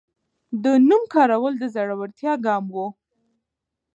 د نوم کارول د زړورتیا ګام و.